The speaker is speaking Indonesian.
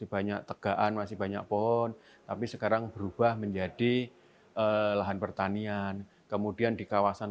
banyak tegaan masih banyak pohon tapi sekarang berubah menjadi lahan pertanian kemudian di kawasan